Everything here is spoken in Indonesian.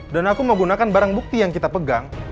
dan aku mau gunakan barang bukti yang kita pegang